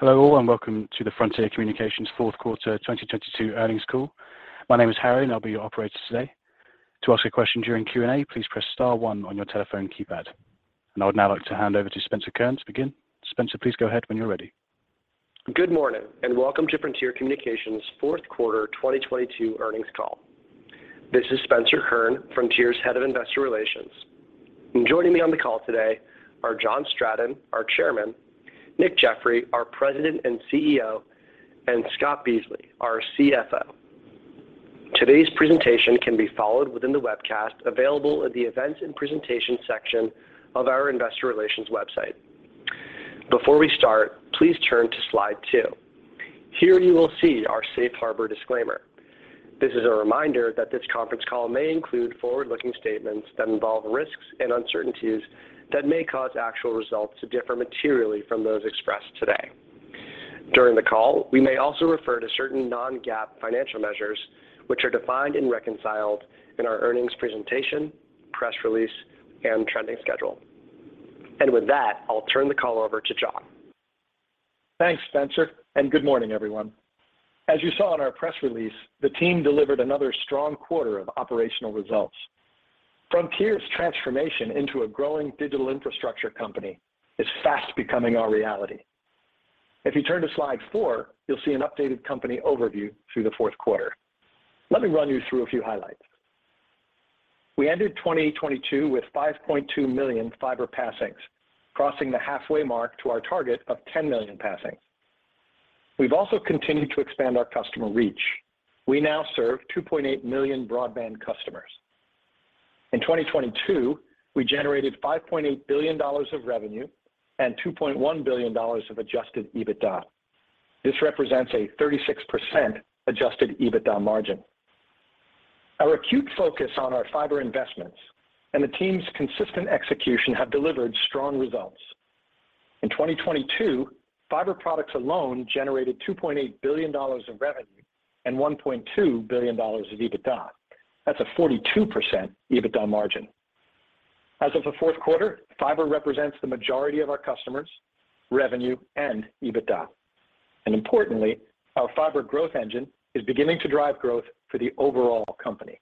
Hello all, welcome to the Frontier Communications Q4 2022 earnings call. My name is Harry, and I'll be your operator today. To ask a question during Q&A, please press star one on your telephone keypad. I would now like to hand over to Spencer Kurn to begin. Spencer, please go ahead when you're ready. Good morning, and welcome to Frontier Communications Q4 2022 earnings call. This is Spencer Kurn, Frontier's Head of Investor Relations. Joining me on the call today are John Stratton, our Chairman, Nick Jeffery, our President and CEO, and Scott Beasley, our CFO. Today's presentation can be followed within the webcast available at the Events and Presentation section of our investor relations website. Before we start, please turn to slide two. Here, you will see our safe harbor disclaimer. This is a reminder that this conference call may include forward-looking statements that involve risks and uncertainties that may cause actual results to differ materially from those expressed today. During the call, we may also refer to certain non-GAAP financial measures which are defined and reconciled in our earnings presentation, press release, and trending schedule. With that, I'll turn the call over to John. Thanks, Spencer. Good morning, everyone. As you saw in our press release, the team delivered another strong quarter of operational results. Frontier's transformation into a growing digital infrastructure company is fast becoming our reality. If you turn to slide four, you'll see an updated company overview through the Q4. Let me run you through a few highlights. We ended 2022 with 5.2 million fiber passings, crossing the halfway mark to our target of 10 million passings. We've also continued to expand our customer reach. We now serve 2.8 million broadband customers. In 2022, we generated $5.8 billion of revenue and $2.1 billion of adjusted EBITDA. This represents a 36% adjusted EBITDA margin. Our acute focus on our fiber investments and the team's consistent execution have delivered strong results. In 2022, fiber products alone generated $2.8 billion of revenue and $1.2 billion of EBITDA. That's a 42% EBITDA margin. As of the Q4, fiber represents the majority of our customers, revenue, and EBITDA. Importantly, our fiber growth engine is beginning to drive growth for the overall company.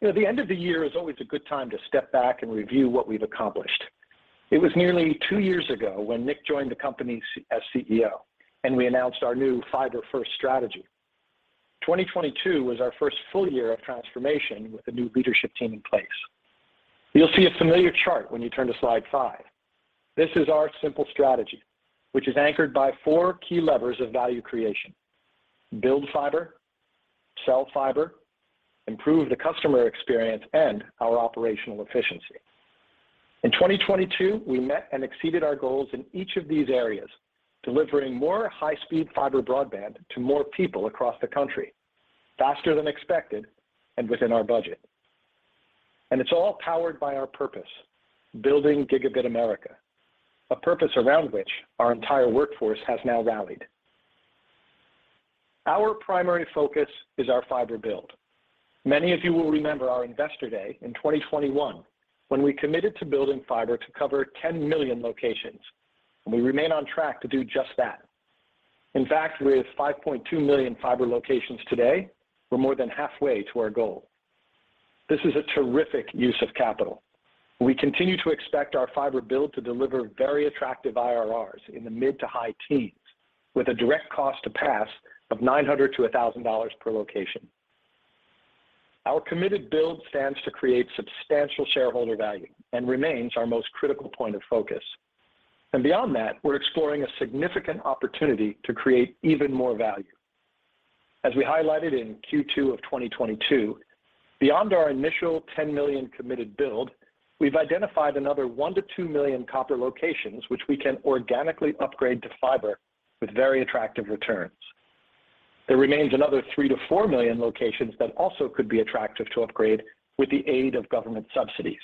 You know, the end of the year is always a good time to step back and review what we've accomplished. It was nearly two years ago when Nick joined the company as CEO, and we announced our new fiber first strategy. 2022 was our first full year of transformation with a new leadership team in place. You'll see a familiar chart when you turn to slide five. This is our simple strategy, which is anchored by four key levers of value creation. Build fiber, sell fiber, improve the customer experience, and our operational efficiency. In 2022, we met and exceeded our goals in each of these areas, delivering more high-speed fiber broadband to more people across the country, faster than expected and within our budget. It's all powered by our purpose, building Gigabit America, a purpose around which our entire workforce has now rallied. Our primary focus is our fiber build. Many of you will remember our investor day in 2021 when we committed to building fiber to cover 10 million locations, and we remain on track to do just that. In fact, with 5.2 million fiber locations today, we're more than halfway to our goal. This is a terrific use of capital. We continue to expect our fiber build to deliver very attractive IRRs in the mid-to-high teens with a direct cost to pass of $900-$1,000 per location. Our committed build stands to create substantial shareholder value and remains our most critical point of focus. Beyond that, we're exploring a significant opportunity to create even more value. As we highlighted in Q2 of 2022, beyond our initial 10 million committed build, we've identified another 1 million-2 million copper locations, which we can organically upgrade to fiber with very attractive returns. There remains another 3 million-4 million locations that also could be attractive to upgrade with the aid of government subsidies.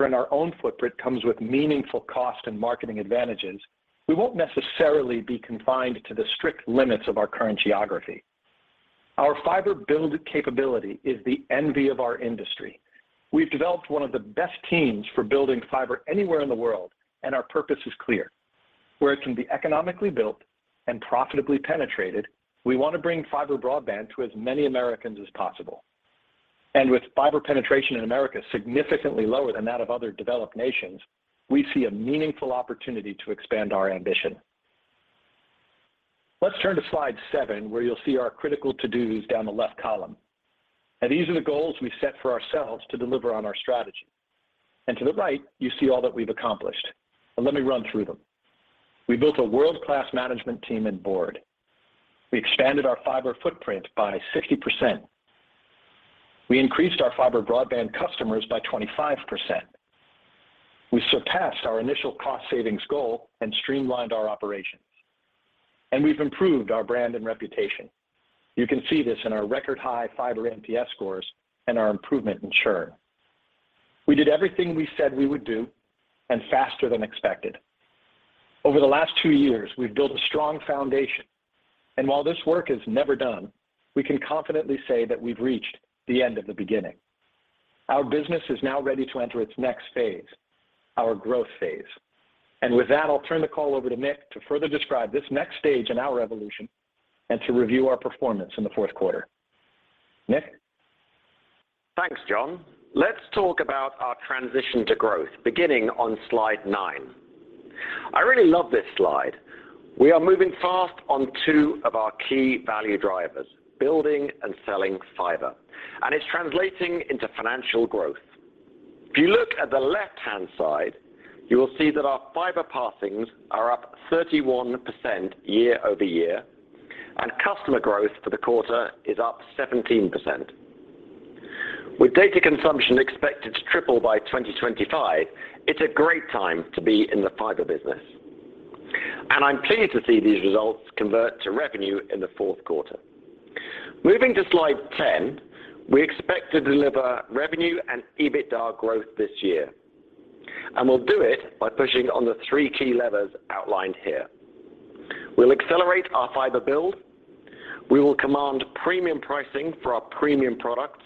While building fiber in our own footprint comes with meaningful cost and marketing advantages, we won't necessarily be confined to the strict limits of our current geography. Our fiber build capability is the envy of our industry. We've developed one of the best teams for building fiber anywhere in the world, and our purpose is clear. Where it can be economically built and profitably penetrated, we want to bring fiber broadband to as many Americans as possible. With fiber penetration in America significantly lower than that of other developed nations, we see a meaningful opportunity to expand our ambition. Let's turn to slide seven, where you'll see our critical to-dos down the left column. These are the goals we set for ourselves to deliver on our strategy. To the right, you see all that we've accomplished. Let me run through them. We built a world-class management team and board. We expanded our fiber footprint by 60%. We increased our fiber broadband customers by 25%. We surpassed our initial cost savings goal and streamlined our operations. We've improved our brand and reputation. You can see this in our record high fiber NPS scores and our improvement in churn. We did everything we said we would do and faster than expected. Over the last two years, we've built a strong foundation, and while this work is never done, we can confidently say that we've reached the end of the beginning. Our business is now ready to enter its next phase, our growth phase. With that, I'll turn the call over to Nick to further describe this next stage in our evolution and to review our performance in the Q4. Nick? Thanks, John. Let's talk about our transition to growth, beginning on slide nine. I really love this slide. We are moving fast on two of our key value drivers, building and selling fiber, and it's translating into financial growth. If you look at the left-hand side, you will see that our fiber passings are up 31% year-over-year, and customer growth for the quarter is up 17%. With data consumption expected to triple by 2025, it's a great time to be in the fiber business, and I'm pleased to see these results convert to revenue in the Q4. Moving to slide 10, we expect to deliver revenue and EBITDA growth this year, and we'll do it by pushing on the three key levers outlined here. We'll accelerate our fiber build, we will command premium pricing for our premium products,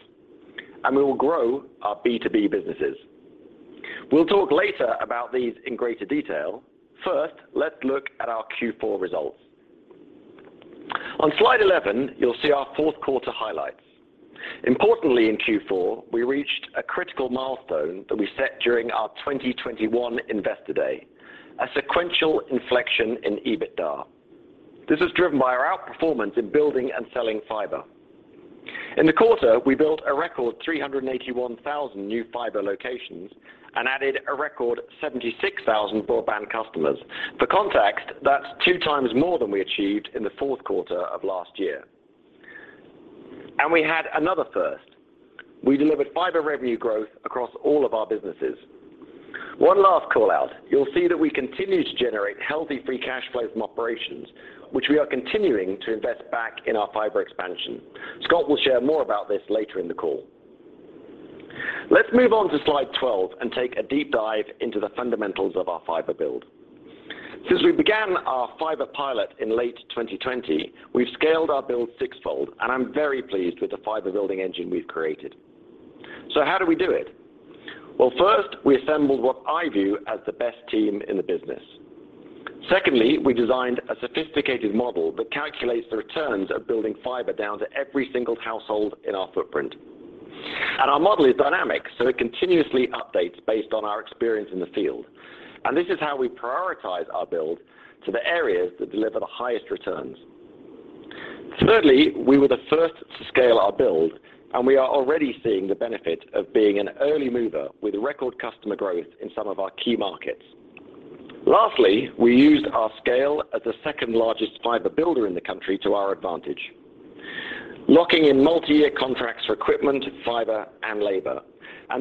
and we will grow our B2B businesses. We'll talk later about these in greater detail. First, let's look at our Q4 results. On slide 11, you'll see our Q4 highlights. Importantly, in Q4, we reached a critical milestone that we set during our 2021 Investor Day, a sequential inflection in EBITDA. This is driven by our outperformance in building and selling fiber. In the quarter, we built a record 381,000 new fiber locations and added a record 76,000 broadband customers. For context, that's two times more than we achieved in the Q4 of last year. We had another first. We delivered fiber revenue growth across all of our businesses. One last call-out. You'll see that we continue to generate healthy free cash flow from operations, which we are continuing to invest back in our fiber expansion. Scott will share more about this later in the call. Let's move on to slide 12 and take a deep dive into the fundamentals of our fiber build. Since we began our fiber pilot in late 2020, we've scaled our build 6-fold, I'm very pleased with the fiber-building engine we've created. How do we do it? Well, first, we assembled what I view as the best team in the business. Secondly, we designed a sophisticated model that calculates the returns of building fiber down to every single household in our footprint. Our model is dynamic, so it continuously updates based on our experience in the field, and this is how we prioritize our build to the areas that deliver the highest returns. Thirdly, we were the first to scale our build, and we are already seeing the benefit of being an early mover with record customer growth in some of our key markets. Lastly, we used our scale as the second-largest fiber builder in the country to our advantage, locking in multi-year contracts for equipment, fiber, and labor.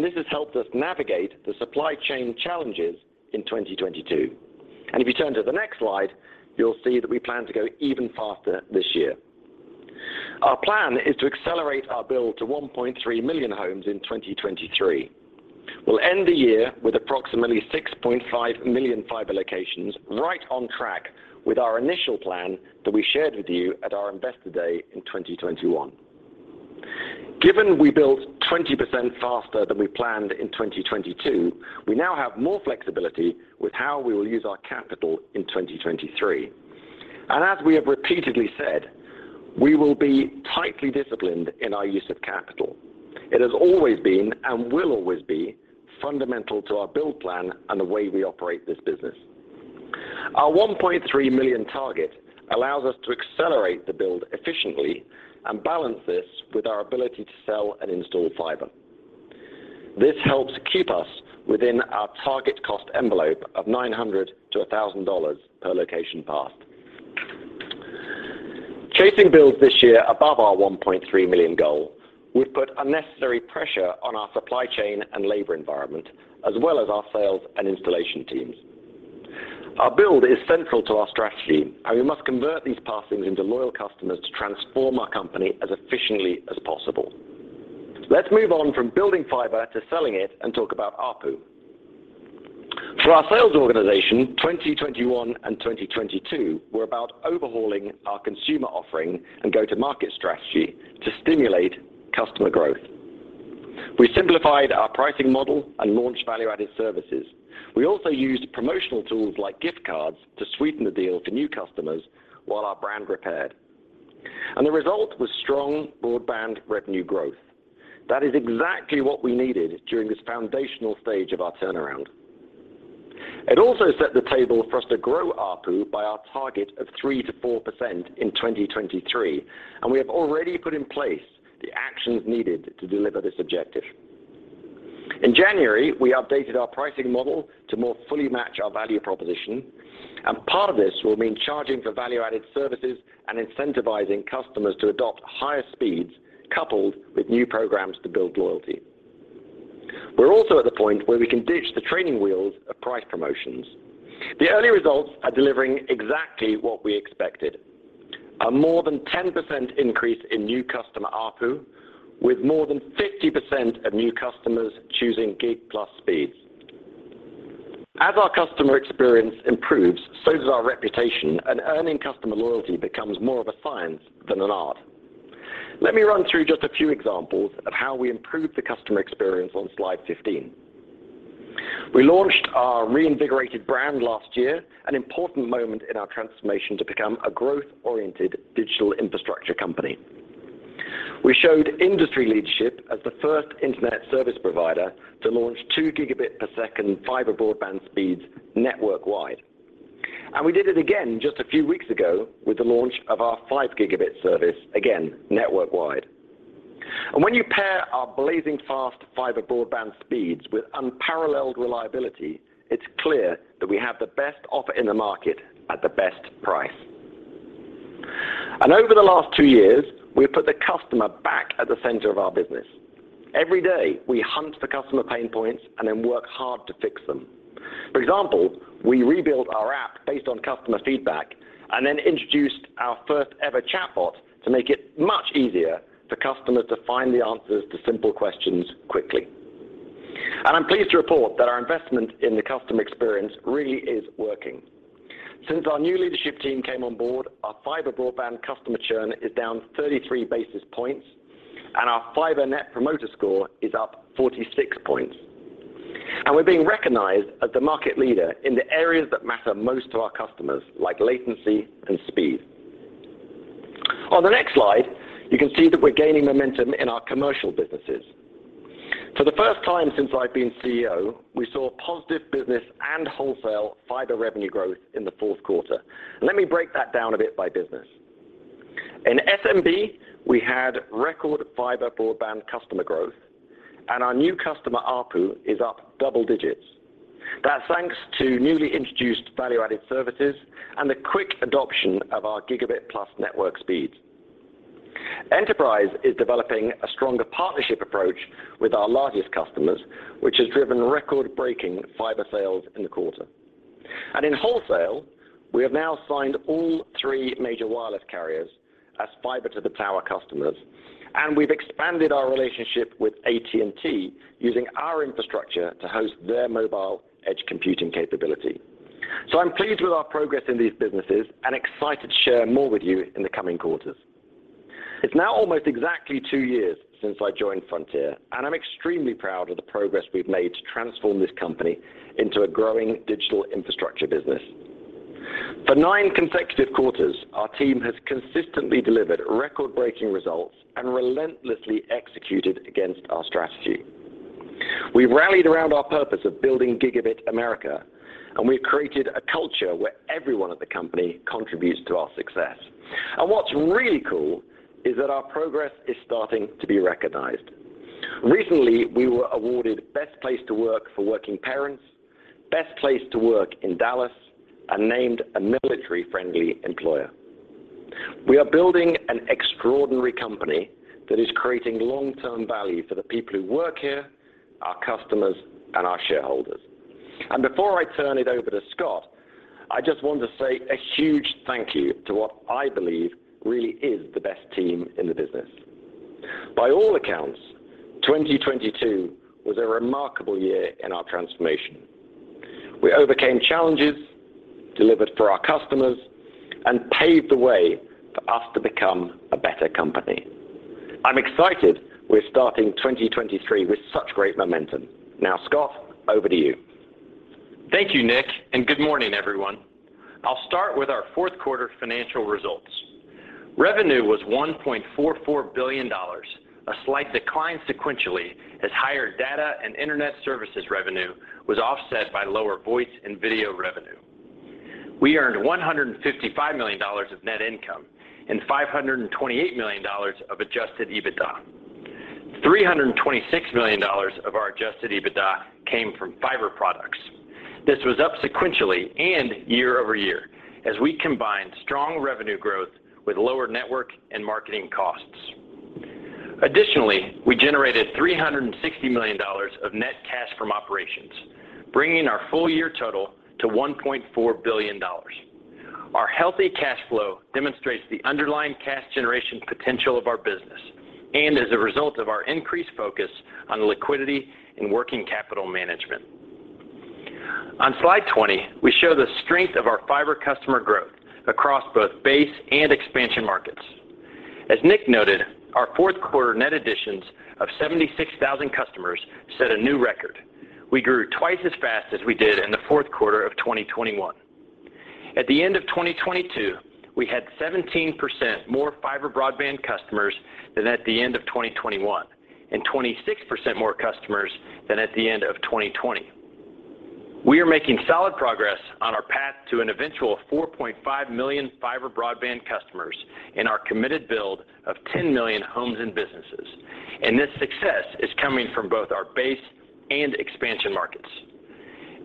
This has helped us navigate the supply chain challenges in 2022. If you turn to the next slide, you'll see that we plan to go even faster this year. Our plan is to accelerate our build to 1.3 million homes in 2023. We'll end the year with approximately 6.5 million fiber locations, right on track with our initial plan that we shared with you at our Investor Day in 2021. Given we built 20% faster than we planned in 2022, we now have more flexibility with how we will use our capital in 2023. As we have repeatedly said, we will be tightly disciplined in our use of capital. It has always been and will always be fundamental to our build plan and the way we operate this business. Our 1.3 million target allows us to accelerate the build efficiently and balance this with our ability to sell and install fiber. This helps keep us within our target cost envelope of $900-$1,000 per location passed. Chasing builds this year above our 1.3 million goal would put unnecessary pressure on our supply chain and labor environment, as well as our sales and installation teams. Our build is central to our strategy, and we must convert these passings into loyal customers to transform our company as efficiently as possible. Let's move on from building fiber to selling it and talk about ARPU. For our sales organization, 2021 and 2022 were about overhauling our consumer offering and go-to-market strategy to stimulate customer growth. We simplified our pricing model and launched value-added services. We also used promotional tools like gift cards to sweeten the deal for new customers while our brand repaired. The result was strong broadband revenue growth. That is exactly what we needed during this foundational stage of our turnaround. It also set the table for us to grow ARPU by our target of 3%-4% in 2023, and we have already put in place the actions needed to deliver this objective. In January, we updated our pricing model to more fully match our value proposition, and part of this will mean charging for value-added services and incentivizing customers to adopt higher speeds coupled with new programs to build loyalty. We're also at the point where we can ditch the training wheels of price promotions. The early results are delivering exactly what we expected. A more than 10% increase in new customer ARPU, with more than 50% of new customers choosing Gig+ speeds. As our customer experience improves, so does our reputation, and earning customer loyalty becomes more of a science than an art. Let me run through just a few examples of how we improved the customer experience on slide 15. We launched our reinvigorated brand last year, an important moment in our transformation to become a growth-oriented digital infrastructure company. We showed industry leadership as the first internet service provider to launch 2 Gb per second fiber broadband speeds network-wide. We did it again just a few weeks ago with the launch of our 5 Gb service, again, network-wide. When you pair our blazing fast fiber broadband speeds with unparalleled reliability, it's clear that we have the best offer in the market at the best price. Over the last two years, we've put the customer back at the center of our business. Every day, we hunt for customer pain points and then work hard to fix them. For example, we rebuilt our app based on customer feedback and then introduced our first-ever chatbot to make it much easier for customers to find the answers to simple questions quickly. I'm pleased to report that our investment in the customer experience really is working. Since our new leadership team came on board, our fiber broadband customer churn is down 33 basis points, and our fiber Net Promoter Score is up 46 points. We're being recognized as the market leader in the areas that matter most to our customers, like latency and speed. On the next slide, you can see that we're gaining momentum in our commercial businesses. For the first time since I've been CEO, we saw positive business and wholesale fiber revenue growth in the Q4. Let me break that down a bit by business. In SMB, we had record fiber broadband customer growth, and our new customer ARPU is up double digits. That's thanks to newly introduced value-added services and the quick adoption of our Gig+ network speeds. Enterprise is developing a stronger partnership approach with our largest customers, which has driven record-breaking fiber sales in the quarter. In wholesale, we have now signed all three major wireless carriers as fiber to the tower customers, and we've expanded our relationship with AT&T using our infrastructure to host their mobile edge computing capability. I'm pleased with our progress in these businesses and excited to share more with you in the coming quarters. It's now almost exactly two years since I joined Frontier, and I'm extremely proud of the progress we've made to transform this company into a growing digital infrastructure business. For nine consecutive quarters, our team has consistently delivered record-breaking results and relentlessly executed against our strategy. We've rallied around our purpose of building Gigabit America, and we've created a culture where everyone at the company contributes to our success. What's really cool is that our progress is starting to be recognized. Recently, we were awarded Best Place to Work for Working Parents, Best Place to Work in Dallas, and named a military-friendly employer. We are building an extraordinary company that is creating long-term value for the people who work here, our customers, and our shareholders. Before I turn it over to Scott, I just want to say a huge thank you to what I believe really is the best team in the business. By all accounts, 2022 was a remarkable year in our transformation. We overcame challenges, delivered for our customers, and paved the way for us to become a better company. I'm excited we're starting 2023 with such great momentum. Now, Scott, over to you. Thank you, Nick, and good morning, everyone. I'll start with our Q4 financial results. Revenue was $1.44 billion, a slight decline sequentially as higher data and internet services revenue was offset by lower voice and video revenue. We earned $155 million of net income and $528 million of adjusted EBITDA. $326 million of our adjusted EBITDA came from fiber products. This was up sequentially and year-over-year as we combined strong revenue growth with lower network and marketing costs. Additionally, we generated $360 million of net cash from operations, bringing our full year total to $1.4 billion. Our healthy cash flow demonstrates the underlying cash generation potential of our business and as a result of our increased focus on liquidity and working capital management. On slide 20, we show the strength of our fiber customer growth across both base and expansion markets. As Nick noted, our Q4 net additions of 76,000 customers set a new record. We grew twice as fast as we did in the Q4 of 2021. At the end of 2022, we had 17% more fiber broadband customers than at the end of 2021 and 26% more customers than at the end of 2020. We are making solid progress on our path to an eventual 4.5 million fiber broadband customers in our committed build of 10 million homes and businesses. This success is coming from both our base and expansion markets.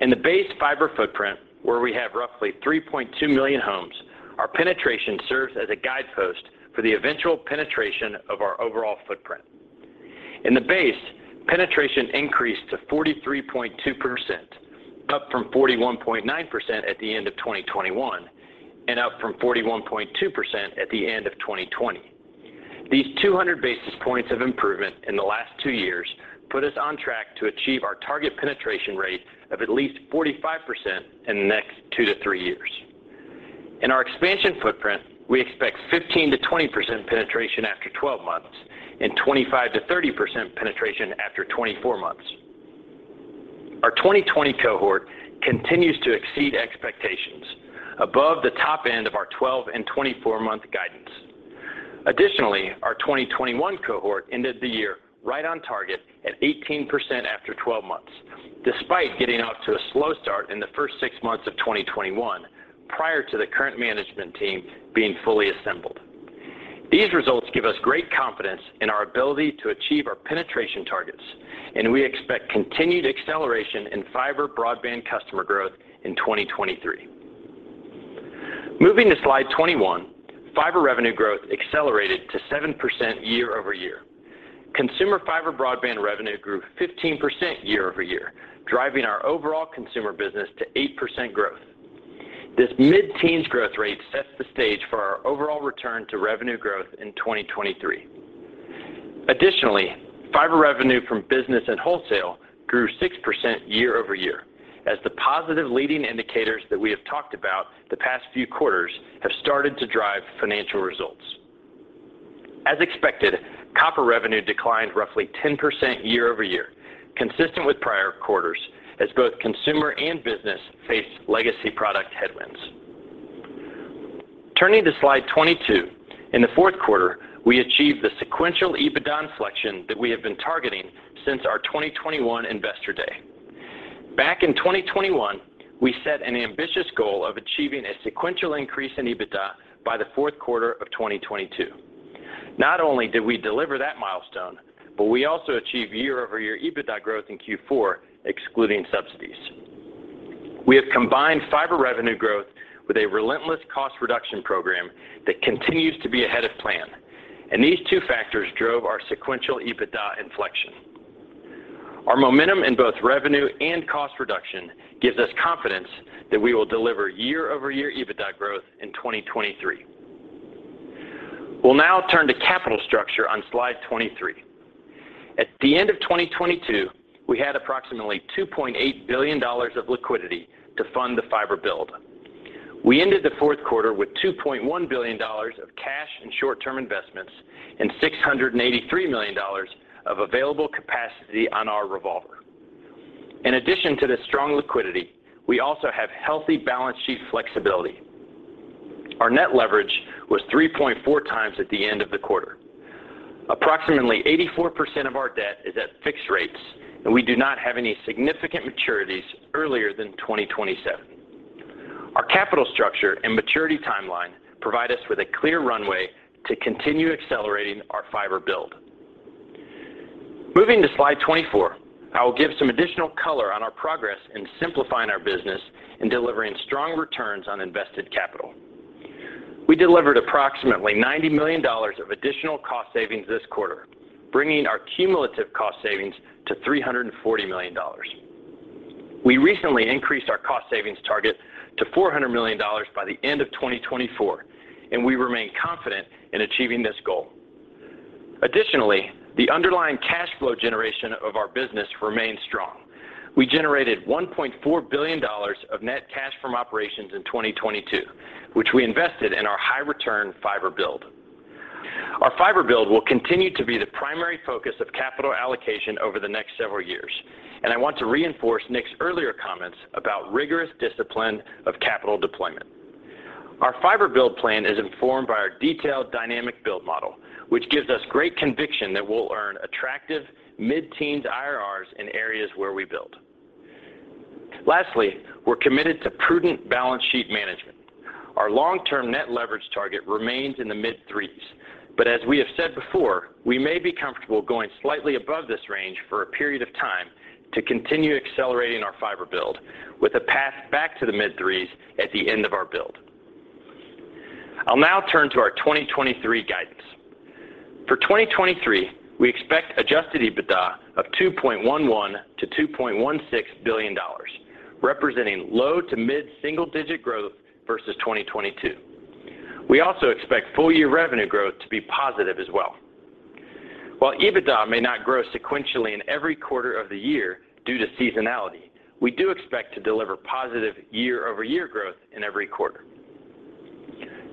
In the base fiber footprint, where we have roughly 3.2 million homes, our penetration serves as a guidepost for the eventual penetration of our overall footprint. In the base, penetration increased to 43.2%, up from 41.9% at the end of 2021, and up from 41.2% at the end of 2020. These 200 basis points of improvement in the last two years put us on track to achieve our target penetration rate of at least 45% in the next 2-3 years. In our expansion footprint, we expect 15%-20% penetration after 12 months and 25%-30% penetration after 24 months. Our 2020 cohort continues to exceed expectations above the top end of our 12 and 24 month guidance. Additionally, our 2021 cohort ended the year right on target at 18% after 12 months, despite getting off to a slow start in the first 6 months of 2021 prior to the current management team being fully assembled. These results give us great confidence in our ability to achieve our penetration targets, and we expect continued acceleration in fiber broadband customer growth in 2023. Moving to slide 21, fiber revenue growth accelerated to 7% year-over-year. Consumer fiber broadband revenue grew 15% year-over-year, driving our overall consumer business to 8% growth. This mid-teens growth rate sets the stage for our overall return to revenue growth in 2023. Additionally, fiber revenue from business and wholesale grew 6% year-over-year. The positive leading indicators that we have talked about the past few quarters have started to drive financial results. Expected, copper revenue declined roughly 10% year-over-year, consistent with prior quarters as both consumer and business faced legacy product headwinds. Turning to slide 22, in the Q4, we achieved the sequential EBITDA inflection that we have been targeting since our 2021 investor day. Back in 2021, we set an ambitious goal of achieving a sequential increase in EBITDA by the Q4 of 2022. Not only did we deliver that milestone, but we also achieved year-over-year EBITDA growth in Q4, excluding subsidies. We have combined fiber revenue growth with a relentless cost reduction program that continues to be ahead of plan, and these two factors drove our sequential EBITDA inflection. Our momentum in both revenue and cost reduction gives us confidence that we will deliver year-over-year EBITDA growth in 2023. We'll now turn to capital structure on slide 23. At the end of 2022, we had approximately $2.8 billion of liquidity to fund the fiber build. We ended the Q4 with $2.1 billion of cash and short term investments and $683 million of available capacity on our revolver. In addition to this strong liquidity, we also have healthy balance sheet flexibility. Our net leverage was 3.4x at the end of the quarter. Approximately 84% of our debt is at fixed rates, and we do not have any significant maturities earlier than 2027. Our capital structure and maturity timeline provide us with a clear runway to continue accelerating our fiber build. Moving to slide 24, I will give some additional color on our progress in simplifying our business and delivering strong returns on invested capital. We delivered approximately $90 million of additional cost savings this quarter, bringing our cumulative cost savings to $340 million. We recently increased our cost savings target to $400 million by the end of 2024. We remain confident in achieving this goal. The underlying cash flow generation of our business remains strong. We generated $1.4 billion of net cash from operations in 2022, which we invested in our high return fiber build. Our fiber build will continue to be the primary focus of capital allocation over the next several years. I want to reinforce Nick's earlier comments about rigorous discipline of capital deployment. Our fiber build plan is informed by our detailed dynamic build model, which gives us great conviction that we'll earn attractive mid-teens IRRs in areas where we build. We're committed to prudent balance sheet management. Our long term net leverage target remains in the mid threes, but as we have said before, we may be comfortable going slightly above this range for a period of time to continue accelerating our fiber build with a path back to the mid threes at the end of our build. I'll now turn to our 2023 guidance. For 2023, we expect adjusted EBITDA of $2.11 billion-$2.16 billion, representing low to mid single digit growth versus 2022. We also expect full year revenue growth to be positive as well. While EBITDA may not grow sequentially in every quarter of the year due to seasonality, we do expect to deliver positive year-over-year growth in every quarter.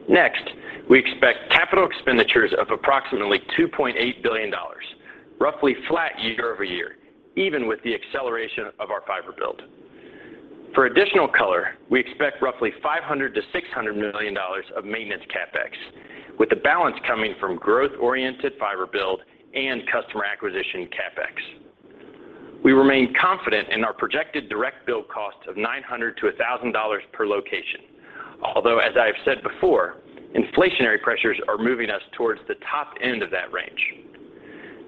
Next, we expect capital expenditures of approximately $2.8 billion, roughly flat year-over-year, even with the acceleration of our fiber build. For additional color, we expect roughly $500 million-$600 million of maintenance CapEx, with the balance coming from growth-oriented fiber build and customer acquisition CapEx. We remain confident in our projected direct build cost of $900-$1,000 per location. Although as I have said before, inflationary pressures are moving us towards the top end of that range.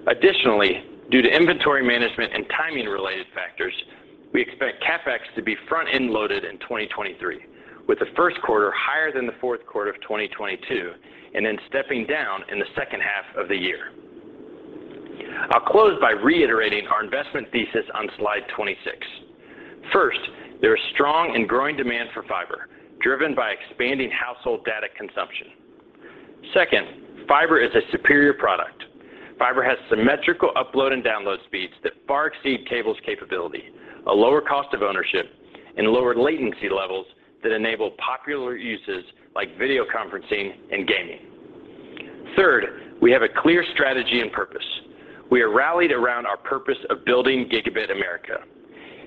Additionally, due to inventory management and timing related factors, we expect CapEx to be front-end loaded in 2023, with the Q1 higher than the Q4 of 2022 and then stepping down in the H2 of the year. I'll close by reiterating our investment thesis on slide 26. First, there is strong and growing demand for fiber, driven by expanding household data consumption. Second, fiber is a superior product. Fiber has symmetrical upload and download speeds that far exceed cable's capability, a lower cost of ownership, and lower latency levels that enable popular uses like video conferencing and gaming. Third, we have a clear strategy and purpose. We are rallied around our purpose of building Gigabit America.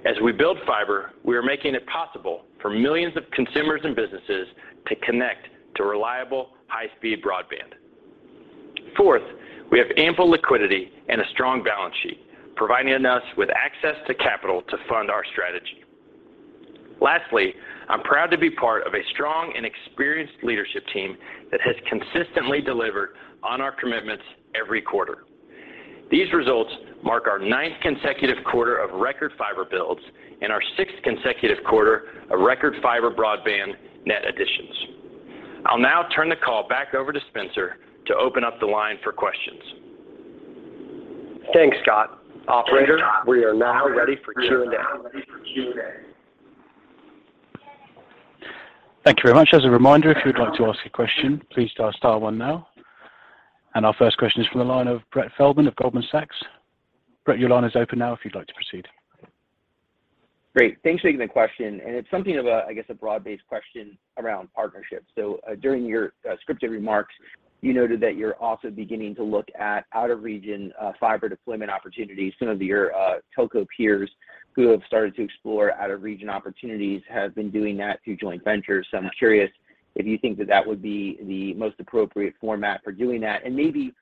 As we build fiber, we are making it possible for millions of consumers and businesses to connect to reliable, high-speed broadband. Fourth, we have ample liquidity and a strong balance sheet, providing us with access to capital to fund our strategy. I'm proud to be part of a strong and experienced leadership team that has consistently delivered on our commitments every quarter. These results mark our ninth consecutive quarter of record fiber builds and our sixth consecutive quarter of record fiber broadband net additions. I'll now turn the call back over to Spencer to open up the line for questions. Thanks, Scott. Operator, we are now ready for Q&A. Thank you very much. As a reminder, if you'd like to ask a question, please star star one now. Our first question is from the line of Brett Feldman of Goldman Sachs. Brett, your line is open now if you'd like to proceed. Great. Thanks for taking the question. It's something of a, I guess, a broad-based question around partnerships. During your scripted remarks, you noted that you're also beginning to look at out-of-region fiber deployment opportunities. Some of your telco peers who have started to explore out-of-region opportunities have been doing that through joint ventures. I'm curious if you think that that would be the most appropriate format for doing that, and maybe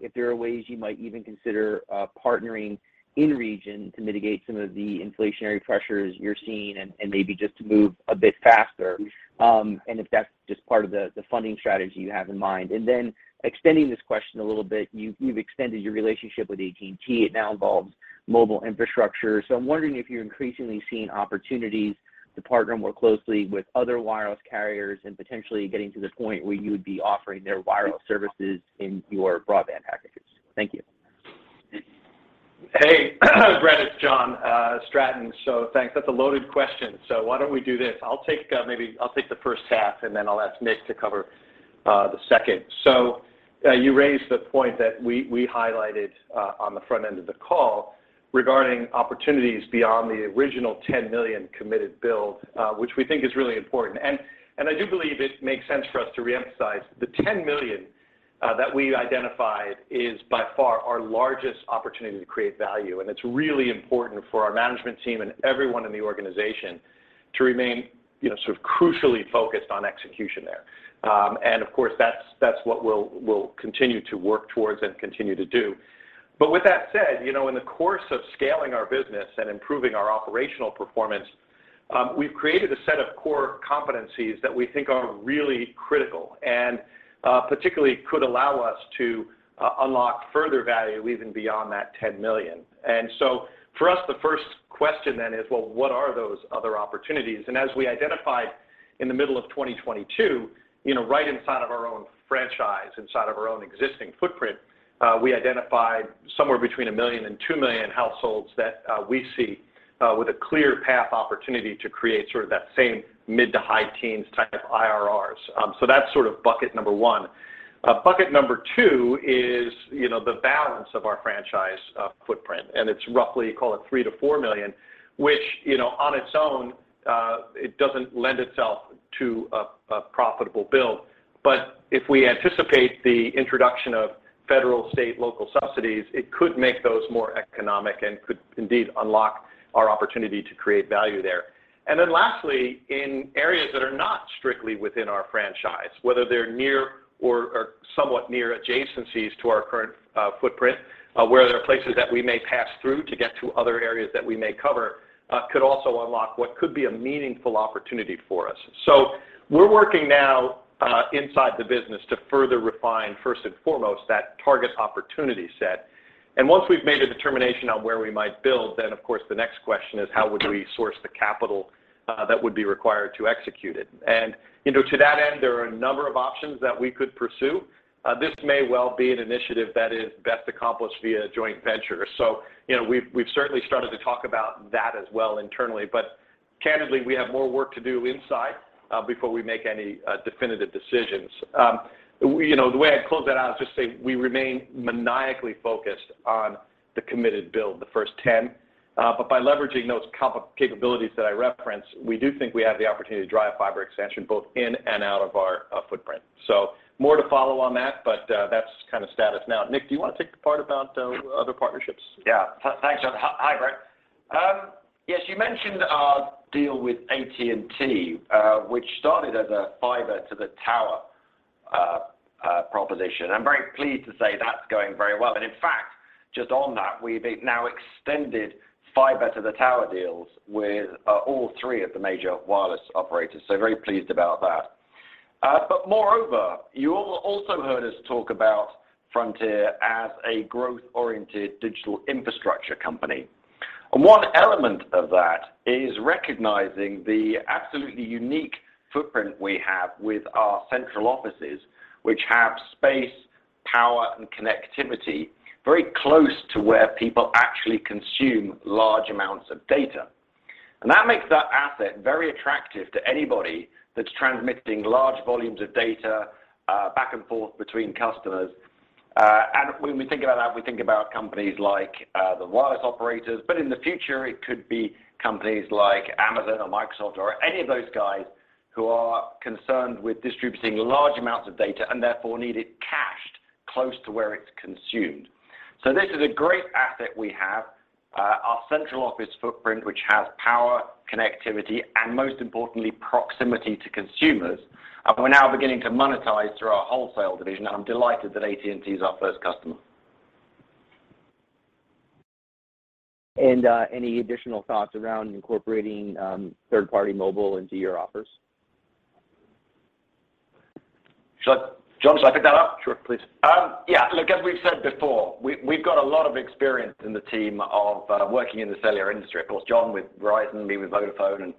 if there are ways you might even consider partnering in-region to mitigate some of the inflationary pressures you're seeing and maybe just to move a bit faster, and if that's just part of the funding strategy you have in mind? Extending this question a little bit, you've extended your relationship with AT&T. It now involves mobile infrastructure. I'm wondering if you're increasingly seeing opportunities to partner more closely with other wireless carriers and potentially getting to the point where you would be offering their wireless services in your broadband packages. Thank you. Hey, Brett. It's John Stratton. Thanks. Why don't we do this? I'll take, maybe I'll take the H1, and then I'll ask Nick to cover the second. You raised the point that we highlighted on the front end of the call regarding opportunities beyond the original 10 million committed build, which we think is really important. And I do believe it makes sense for us to reemphasize the 10 million that we identified is by far our largest opportunity to create value. It's really important for our management team and everyone in the organization to remain, you know, sort of crucially focused on execution there. Of course, that's what we'll continue to work towards and continue to do. With that said, you know, in the course of scaling our business and improving our operational performance, we've created a set of core competencies that we think are really critical and particularly could allow us to unlock further value even beyond that 10 million. For us, the first question then is, well, what are those other opportunities? As we identified in the middle of 2022, you know, right inside of our own franchise, inside of our own existing footprint, we identified somewhere between 1 million and 2 million households that we see with a clear path opportunity to create sort of that same mid to high teens type IRRs. That's sort of bucket number one. Bucket number two is, you know, the balance of our franchise footprint, and it's roughly, call it $3 million-$4 million, which, you know, on its own, it doesn't lend itself to a profitable build. If we anticipate the introduction of federal, state, local subsidies, it could make those more economic and could indeed unlock our opportunity to create value there. And then lastly, in areas that are not strictly within our franchise, whether they're near or somewhat near adjacencies to our current footprint, where there are places that we may pass through to get to other areas that we may cover, could also unlock what could be a meaningful opportunity for us. We're working now inside the business to further refine first and foremost that target opportunity set. Once we've made a determination on where we might build, then of course the next question is how would we source the capital that would be required to execute it. You know, to that end, there are a number of options that we could pursue. This may well be an initiative that is best accomplished via a joint venture. You know, we've certainly started to talk about that as well internally, but candidly, we have more work to do inside before we make any definitive decisions. You know, the way I'd close that out is just say we remain maniacally focused on the committed build, the first 10. But by leveraging those capabilities that I referenced, we do think we have the opportunity to drive fiber expansion both in and out of our footprint. More to follow on that, but that's kind of status now. Nick, do you want to take the part about other partnerships? Yeah. Thanks, John. Hi, Brett. Yes, you mentioned our deal with AT&T, which started as a fiber to the tower proposition. I'm very pleased to say that's going very well. In fact, just on that, we've now extended fiber to the tower deals with all three of the major wireless operators, very pleased about that. Moreover, you also heard us talk about Frontier as a growth-oriented digital infrastructure company. One element of that is recognizing the absolutely unique footprint we have with our central offices, which have space, power, and connectivity very close to where people actually consume large amounts of data. That makes that asset very attractive to anybody that's transmitting large volumes of data back and forth between customers. When we think about that, we think about companies like the wireless operators, but in the future, it could be companies like Amazon or Microsoft or any of those guys who are concerned with distributing large amounts of data and therefore need it cached close to where it's consumed. This is a great asset we have, our central office footprint, which has power, connectivity, and most importantly, proximity to consumers. We're now beginning to monetize through our wholesale division, and I'm delighted that AT&T is our first customer. Any additional thoughts around incorporating third-party mobile into your offers? John, should I pick that up? Sure, please. Yeah. Look, as we've said before, we've got a lot of experience in the team of working in the cellular industry. Of course, John with Verizon, me with Vodafone, and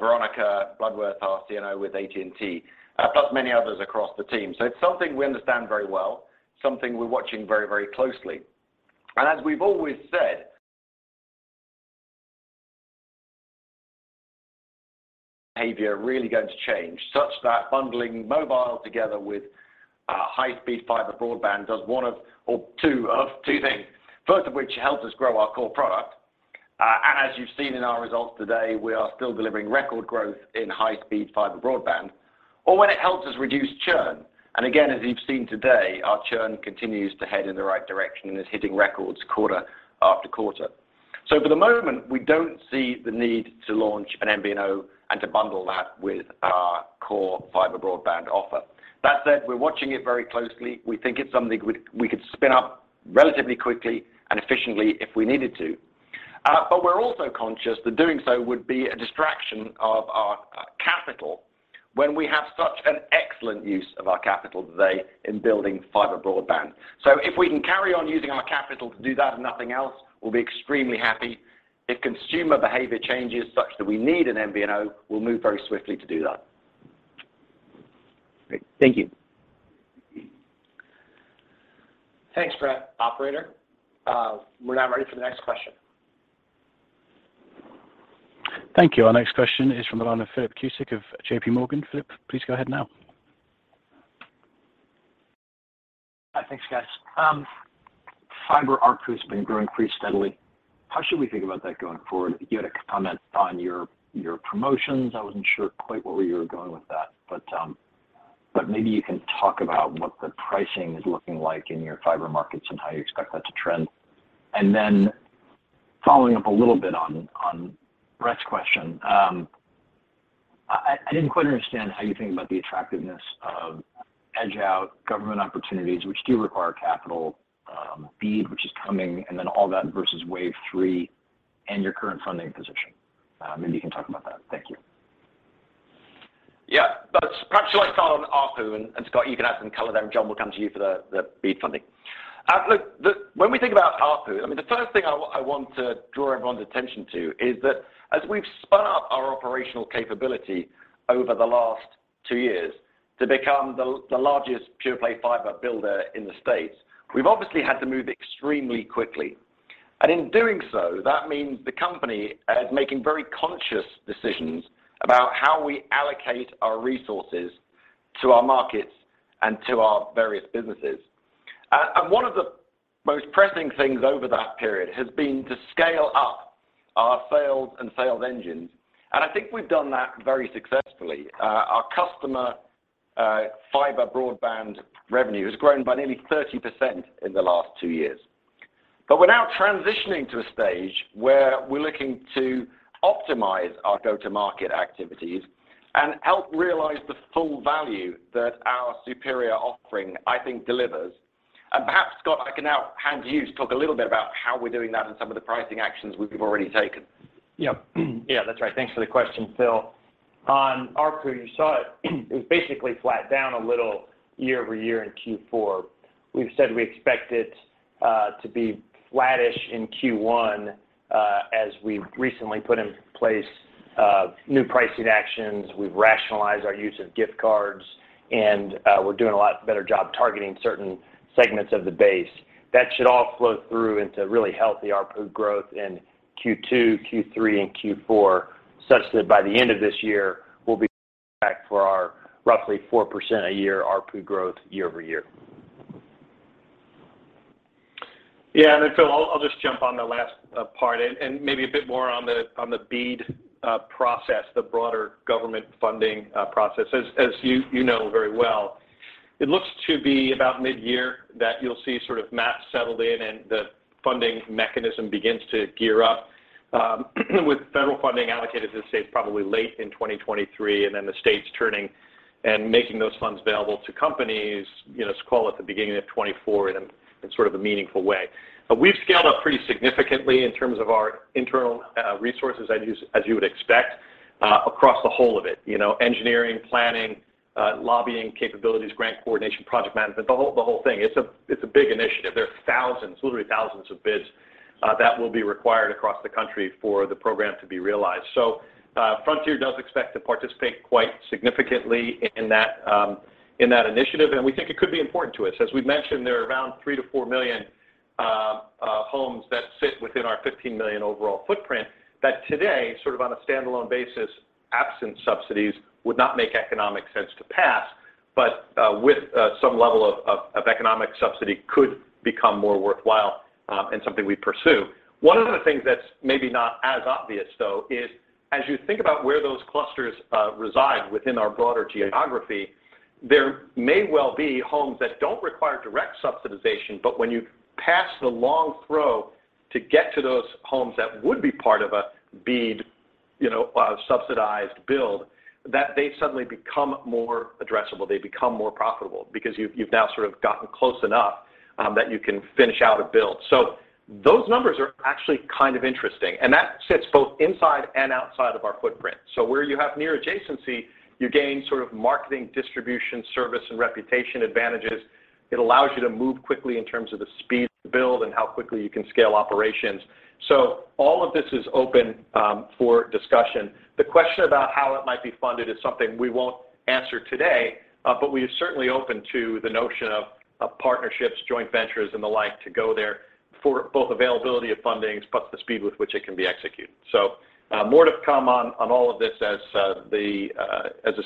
Veronica Bloodworth, our CNO, with AT&T, plus many others across the team. It's something we understand very well, something we're watching very, very closely. As we've always said, behavior really going to change such that bundling mobile together with high-speed fiber broadband does one of or two things, first of which helps us grow our core product. As you've seen in our results today, we are still delivering record growth in high-speed fiber broadband, or when it helps us reduce churn. Again, as you've seen today, our churn continues to head in the right direction and is hitting records quarter-after-quarter. For the moment, we don't see the need to launch an MVNO and to bundle that with our core fiber broadband offer. That said, we're watching it very closely. We think it's something we could spin up relatively quickly and efficiently if we needed to. We're also conscious that doing so would be a distraction of our capital when we have such an excellent use of our capital today in building fiber broadband. If we can carry on using our capital to do that and nothing else, we'll be extremely happy. If consumer behavior changes such that weneed an MVNO, we'll move very swiftly to do that. Great. Thank you. Thanks, Brett. Operator, we're now ready for the next question. Thank you. Our next question is from the line of Philip Cusick of JPMorgan. Philip, please go ahead now. Thanks, guys. Fiber ARPU has been growing pretty steadily. How should we think about that going forward? You had a comment on your promotions. I wasn't sure quite where you were going with that, but maybe you can talk about what the pricing is looking like in your fiber markets and how you expect that to trend. Following up a little bit on Brett's question, I didn't quite understand how you think about the attractiveness of edge out government opportunities which do require capital, BEAD, which is coming, and then all that versus wave three and your current funding position. Maybe you can talk about that. Thank you. Yeah. Perhaps should I start on ARPU, and Scott, you can add some color there, John will come to you for the BEAD funding. Look, when we think about ARPU, I mean, the first thing I want to draw everyone's attention to is that as we've spun up our operational capability over the last two years to become the largest pure play fiber builder in the States, we've obviously had to move extremely quickly. In doing so, that means the company is making very conscious decisions about how we allocate our resources to our markets and to our various businesses. One of the most pressing things over that period has been to scale up our sales and sales engines. I think we've done that very successfully. Our customer, fiber broadband revenue has grown by nearly 30% in the last two years. We're now transitioning to a stage where we're looking to optimize our go-to-market activities and help realize the full value that our superior offering, I think, delivers. Perhaps, Scott, I can now hand you to talk a little bit about how we're doing that and some of the pricing actions we've already taken. Yep. Yeah, that's right. Thanks for the question, Phil. On ARPU, you saw it was basically flat down a little year-over-year in Q4. We've said we expect it to be flattish in Q1 as we recently put in place new pricing actions. We've rationalized our use of gift cards, and we're doing a lot better job targeting certain segments of the base. That should all flow through into really healthy ARPU growth in Q2, Q3, and Q4, such that by the end of this year, we'll be back for our roughly 4% a year ARPU growth year-over-year. Yeah. Then Phil, I'll just jump on the last part and maybe a bit more on the BEAD process, the broader government funding process. As you know very well, it looks to be about mid-year that you'll see sort of maps settled in and the funding mechanism begins to gear up, with federal funding allocated to the states probably late in 2023 and then the states turning and making those funds available to companies, you know, let's call it the beginning of 2024 in a, in sort of a meaningful way. We've scaled up pretty significantly in terms of our internal resources as you would expect. Across the whole of it, you know, engineering, planning, lobbying capabilities, grant coordination, project management, the whole thing. It's a, it's a big initiative. There are thousands, literally thousands of bids that will be required across the country for the program to be realized. Frontier does expect to participate quite significantly in that in that initiative, and we think it could be important to us. As we've mentioned there are around 3 million-4 million homes that fit within our 15 million overall footprint that today, sort of on a standalone basis, absent subsidies would not make economic sense to pass. With some level of economic subsidy could become more worthwhile, and something we'd pursue. One of the things that's maybe not as obvious though is as you think about where those clusters reside within our broader geography, there may well be homes that don't require direct subsidization, but when you pass the long throw to get to those homes that would be part of a BEAD, you know, subsidized build, that they suddenly become more addressable, they become more profitable because you've now sort of gotten close enough that you can finish out a build. Those numbers are actually kind of interesting, and that sits both inside and outside of our footprint. Where you have near adjacency, you gain sort of marketing, distribution, service, and reputation advantages. It allows you to move quickly in terms of the speed to build and how quickly you can scale operations. All of this is open for discussion. The question about how it might be funded is something we won't answer today, but we are certainly open to the notion of partnerships, joint ventures, and the like to go there for both availability of fundings, plus the speed with which it can be executed. More to come on all of this as the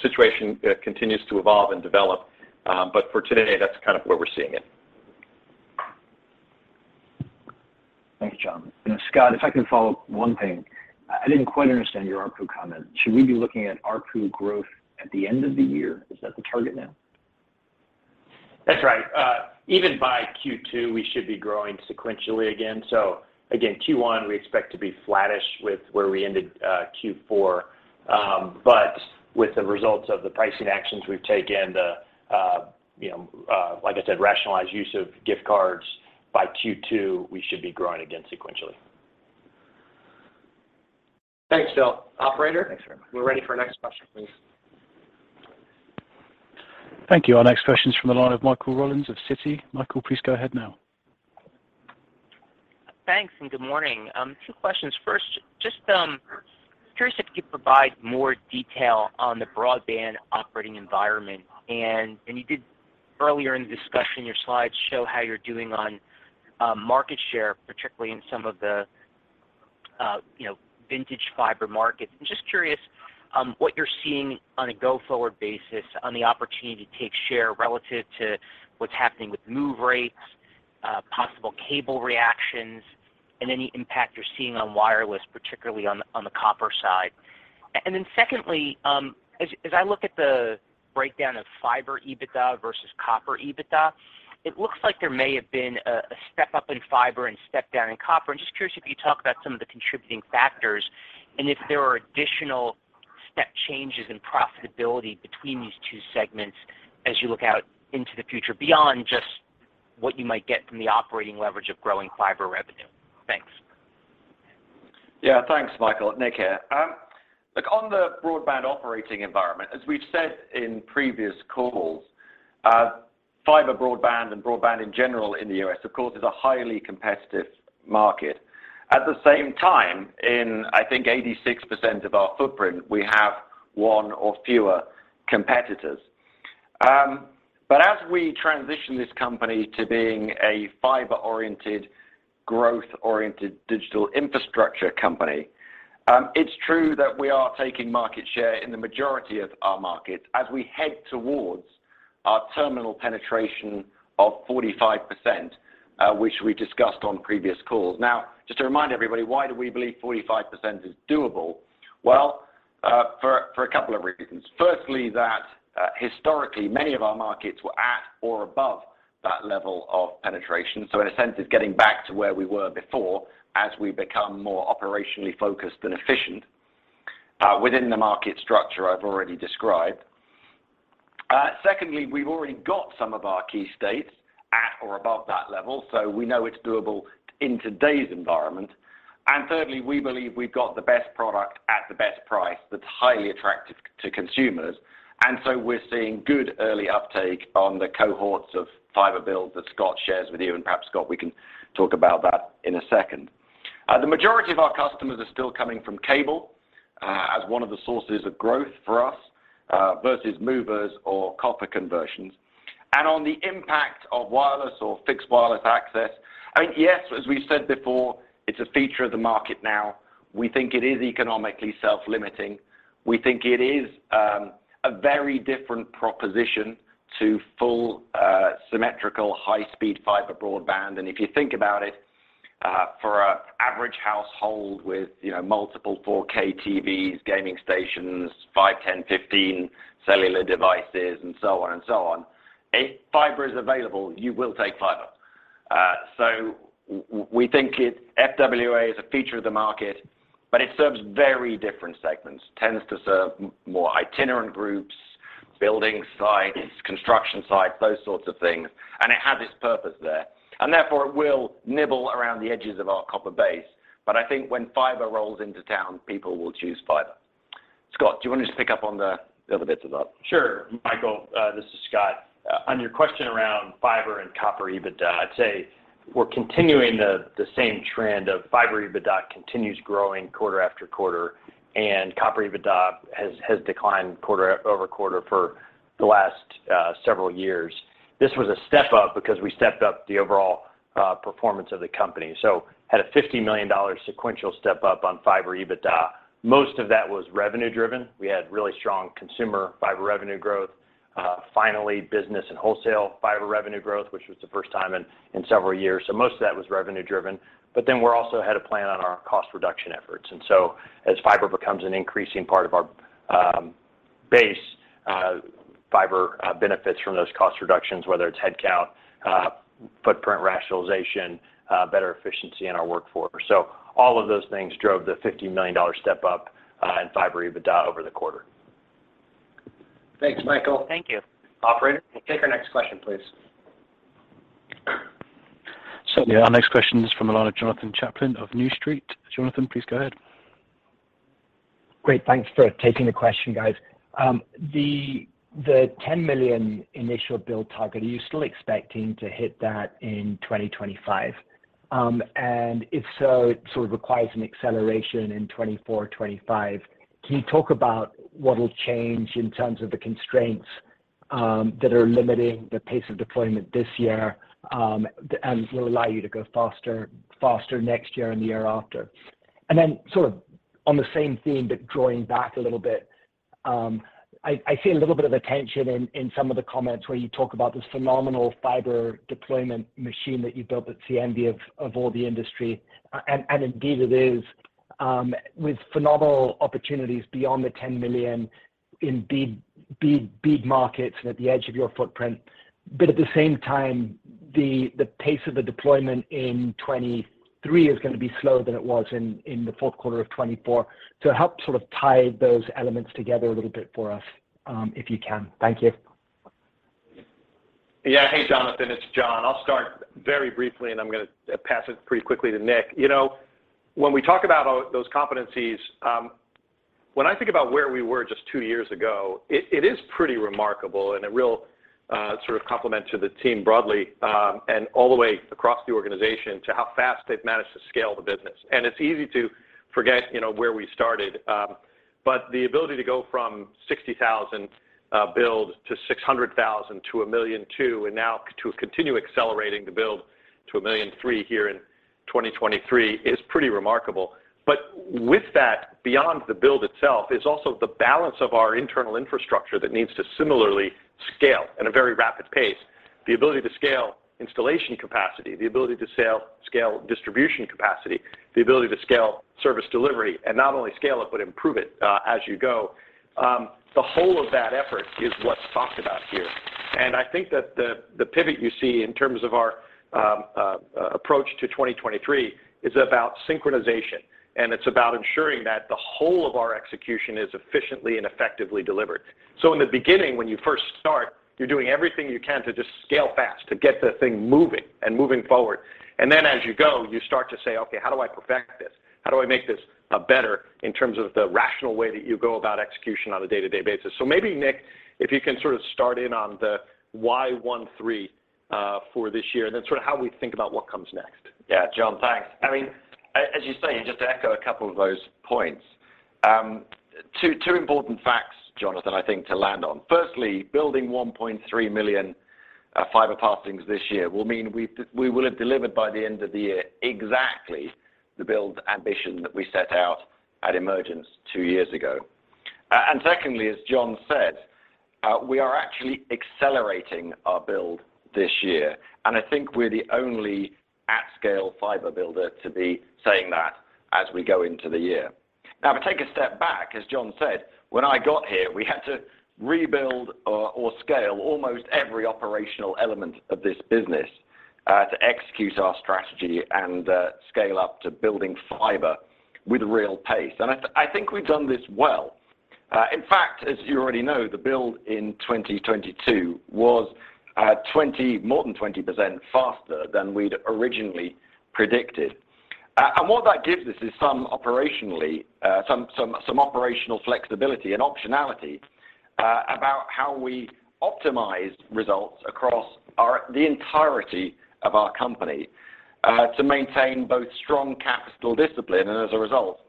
situation continues to evolve and develop. For today, that's kind of where we're seeing it. Thank you, John. Scott, if I can follow up one thing. I didn't quite understand your ARPU comment. Should we be looking at ARPU growth at the end of the year? Is that the target now? That's right. Even by Q2, we should be growing sequentially again. Again, Q1, we expect to be flattish with where we ended, Q4. With the results of the pricing actions we've taken, the, you know, like I said, rational use of gift cards, by Q2, we should be growing again sequentially. Thanks, Phil. Operator? Thanks very much. We're ready for our next question, please. Thank you. Our next question is from the line of Michael Rollins of Citi. Michael, please go ahead now. Thanks, and good morning. Two questions. First, just curious if you could provide more detail on the broadband operating environment. You did earlier in the discussion, your slides show how you're doing on market share, particularly in some of the, you know, vintage fiber markets. I'm just curious, what you're seeing on a go-forward basis on the opportunity to take share relative to what's happening with move rates, possible cable reactions, and any impact you're seeing on wireless, particularly on the copper side? Secondly, as I look at the breakdown of fiber EBITDA versus copper EBITDA, it looks like there may have been a step up in fiber and step down in copper? I'm just curious if you could talk about some of the contributing factors, and if there are additional step changes in profitability between these two segments as you look out into the future beyond just what you might get from the operating leverage of growing fiber revenue? Thanks. Yeah. Thanks, Michael. Nick here. Look, on the broadband operating environment, as we've said in previous calls, fiber broadband and broadband in general in the U.S. of course is a highly competitive market. At the same time, in I think 86% of our footprint, we have one or fewer competitors. As we transition this company to being a fiber-oriented, growth-oriented digital infrastructure company, it's true that we are taking market share in the majority of our markets as we head towards our terminal penetration of 45%, which we discussed on previous calls. Just to remind everybody, why do we believe 45% is doable? Well, for a couple of reasons. Firstly, that, historically, many of our markets were at or above that level of penetration, so in a sense it's getting back to where we were before as we become more operationally focused and efficient within the market structure I've already described. Secondly, we've already got some of our key states at or above that level, so we know it's doable in today's environment. Thirdly, we believe we've got the best product at the best price that's highly attractive to consumers. We're seeing good early uptake on the cohorts of fiber builds that Scott shares with you, and perhaps, Scott, we can talk about that in a second. The majority of our customers are still coming from cable as one of the sources of growth for us versus movers or copper conversions. On the impact of wireless or fixed wireless access, I think, yes, as we've said before, it's a feature of the market now. We think it is economically self-limiting. We think it is a very different proposition to full, symmetrical high-speed fiber broadband. If you think about it, for a average household with, you know, multiple 4K TVs, gaming stations, five, 10, 15 cellular devices and so on and so on, if fiber is available, you will take fiber. We think FWA is a feature of the market, but it serves very different segments. Tends to serve more itinerant groups: Building sites, construction sites, those sorts of things, and it had its purpose there. Therefore, it will nibble around the edges of our copper base. I think when fiber rolls into town, people will choose fiber. Scott, do you want to just pick up on the other bits of that? Sure. Michael, this is Scott. On your question around fiber and copper EBITDA, I'd say we're continuing the same trend of fiber EBITDA continues growing quarter-after-quarter, and copper EBITDA has declined quarter-over-quarter for the last several years. This was a step up because we stepped up the overall performance of the company. Had a $50 million sequential step up on fiber EBITDA. Most of that was revenue-driven. We had really strong consumer fiber revenue growth, finally business and wholesale fiber revenue growth, which was the first time in several years. Most of that was revenue-driven. We're also ahead of plan on our cost reduction efforts. As fiber becomes an increasing part of our base, fiber benefits from those cost reductions, whether it's headcount, footprint rationalization, better efficiency in our workforce. All of those things drove the $50 million step up in fiber EBITDA over the quarter. Thanks, Michael. Thank you. Operator, we'll take our next question, please. Certainly. Our next question is from the line of Jonathan Chaplin of New Street. Jonathan, please go ahead. Great. Thanks for taking the question, guys. The 10 million initial build target, are you still expecting to hit that in 2025? If so, it sort of requires an acceleration in 24, 25. Can you talk about what will change in terms of the constraints that are limiting the pace of deployment this year, will allow you to go faster next year and the year after? Then sort of on the same theme, but drawing back a little bit, I see a little bit of a tension in some of the comments where you talk about this phenomenal fiber deployment machine that you built at the envy of all the industry, and indeed it is, with phenomenal opportunities beyond the 10 million in big, big, big markets and at the edge of your footprint. At the same time, the pace of the deployment in 2023 is gonna be slower than it was in the Q4 of 2024. Help sort of tie those elements together a little bit for us, if you can. Thank you. Yeah. Hey, Jonathan. It's John. I'll start very briefly, and I'm gonna pass it pretty quickly to Nick. You know, when we talk about those competencies, when I think about where we were just 2 years ago, it is pretty remarkable and a real sort of compliment to the team broadly, and all the way across the organization to how fast they've managed to scale the business. It's easy to forget, you know, where we started, but the ability to go from 60,000 build to 600,000 to 1.2 million, and now to continue accelerating the build to 1.3 million here in 2023 is pretty remarkable. With that, beyond the build itself, is also the balance of our internal infrastructure that needs to similarly scale at a very rapid pace. The ability to scale installation capacity, the ability to scale distribution capacity, the ability to scale service delivery, and not only scale it, but improve it, as you go. The whole of that effort is what's talked about here. I think that the pivot you see in terms of our approach to 2023 is about synchronization, and it's about ensuring that the whole of our execution is efficiently and effectively delivered. In the beginning, when you first start, you're doing everything you can to just scale fast, to get the thing moving and moving forward. Then as you go, you start to say, "Okay, how do I perfect this? How do I make this better in terms of the rational way that you go about execution on a day-to-day basis? Maybe, Nick, if you can sort of start in on the why 13, for this year, and then sort of how we think about what comes next. Yeah. John, thanks. I mean, as you say, and just to echo a couple of those points, two important facts, Jonathan, I think to land on. Firstly, building 1.3 million fiber passings this year will mean we will have delivered by the end of the year exactly the build ambition that we set out at Emergence two years ago. Secondly, as John said, we are actually accelerating our build this year, and I think we're the only at-scale fiber builder to be saying that as we go into the year. If I take a step back, as John said, when I got here, we had to rebuild or scale almost every operational element of this business to execute our strategy and scale up to building fiber with real pace. I think we've done this well. In fact, as you already know, the build in 2022 was more than 20% faster than we'd originally predicted. What that gives us is some operationally, some operational flexibility and optionality about how we optimize results across the entirety of our company, to maintain both strong capital discipline and as a result,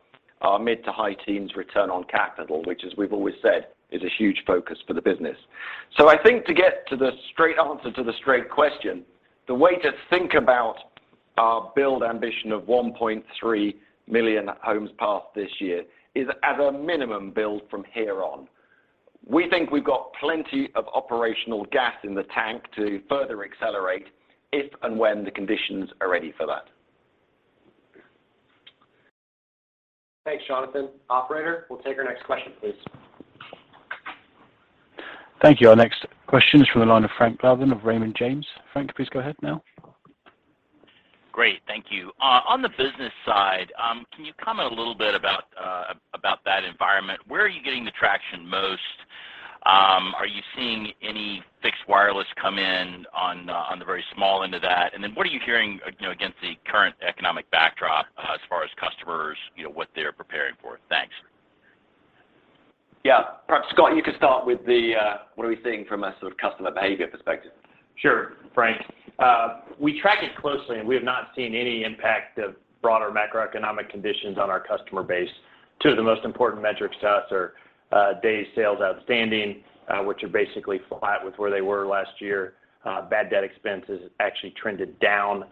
our mid to high teens return on capital, which as we've always said, is a huge focus for the business. I think to get to the straight answer to the straight question, the way to think about our build ambition of 1.3 million homes passed this year is at a minimum build from here on. We think we've got plenty of operational gas in the tank to further accelerate if and when the conditions are ready for that. Thanks, Jonathan. Operator, we'll take our next question, please. Thank you. Our next question is from the line of Frank Louthan of Raymond James. Frank, please go ahead now. Thank you. On the business side, can you comment a little bit about that environment? Where are you getting the traction most? Are you seeing any fixed wireless come in on the very small end of that? What are you hearing you know, against the current economic backdrop, as far as customers, you know, what they're preparing for? Thanks. Yeah. Perhaps, Scott, you could start with the, what are we seeing from a sort of customer behavior perspective. Sure, Frank. We track it closely, we have not seen any impact of broader macroeconomic conditions on our customer base. Two of the most important metrics to us are days sales outstanding, which are basically flat with where they were last year. Bad debt expenses actually trended down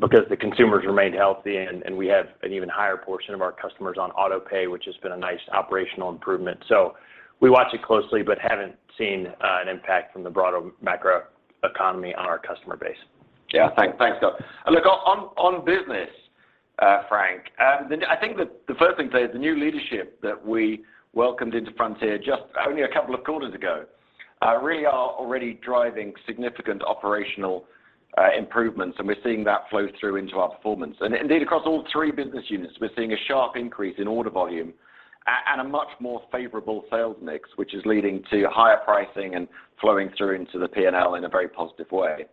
because the consumers remained healthy and we have an even higher portion of our customers on auto pay, which has been a nice operational improvement. We watch it closely but haven't seen an impact from the broader macro economy on our customer base. Yeah. Thanks, Scott. Look, on business, Frank, I think the first thing to say is the new leadership that we welcomed into Frontier just only a couple of quarters ago, really are already driving significant operational improvements, and we're seeing that flow through into our performance. Indeed, across all three business units, we're seeing a sharp increase in order volume and a much more favorable sales mix, which is leading to higher pricing and flowing through into the P&L in a very positive way.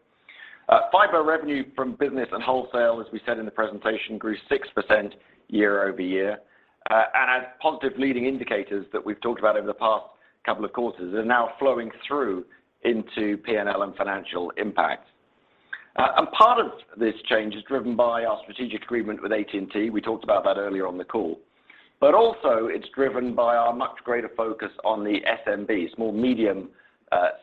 Fiber revenue from business and wholesale, as we said in the presentation, grew 6% year-over-year. As positive leading indicators that we've talked about over the past couple of quarters are now flowing through into P&L and financial impact. Part of this change is driven by our strategic agreement with AT&T. We talked about that earlier on the call. Also it's driven by our much greater focus on the SMB, small medium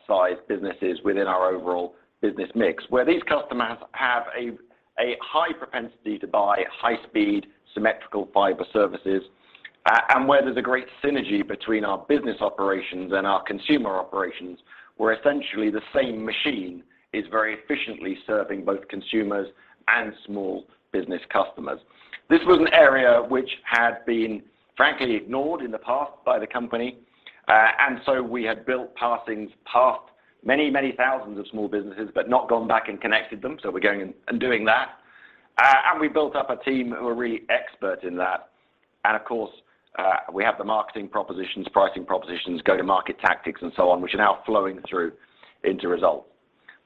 sized businesses within our overall business mix, where these customers have a high propensity to buy high speed symmetrical fiber services, and where there's a great synergy between our business operations and our consumer operations, where essentially the same machine is very efficiently serving both consumers and small business customers. This was an area which had been frankly ignored in the past by the company. So we had built passings past many thousands of small businesses but not gone back and connected them, so we're going and doing that. We built up a team who are really expert in that. Of course, we have the marketing propositions, pricing propositions, go to market tactics and so on, which are now flowing through into results.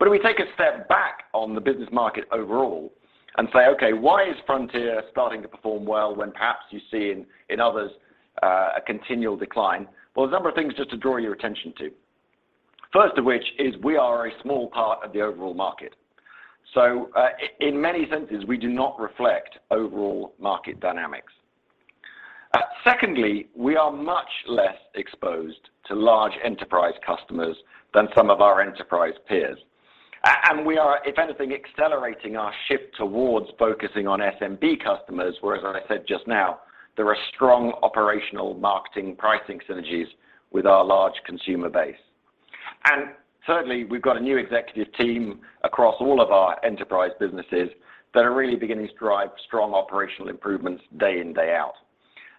If we take a step back on the business market overall and say, okay, why is Frontier starting to perform well when perhaps you see in others, a continual decline? Well, there are a number of things just to draw your attention to. First of which is we are a small part of the overall market. In many senses, we do not reflect overall market dynamics. Secondly, we are much less exposed to large enterprise customers than some of our enterprise peers. We are, if anything, accelerating our shift towards focusing on SMB customers, whereas, as I said just now, there are strong operational marketing pricing synergies with our large consumer base. Certainly, we've got a new executive team across all of our enterprise businesses that are really beginning to drive strong operational improvements day in, day out.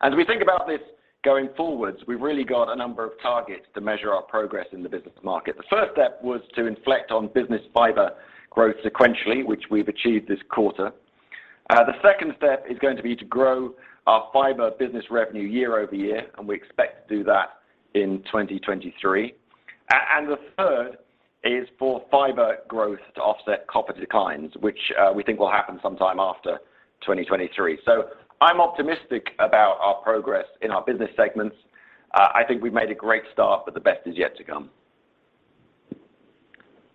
As we think about this going forwards, we've really got a number of targets to measure our progress in the business market. The first step was to inflect on business fiber growth sequentially, which we've achieved this quarter. The second step is going to be to grow our fiber business revenue year-over-year, and we expect to do that in 2023. And the third is for fiber growth to offset copper declines, which we think will happen sometime after 2023. I'm optimistic about our progress in our business segments. I think we've made a great start, but the best is yet to come.